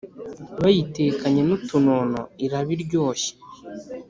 Bayitekanye n'utunono, iraba iryoshye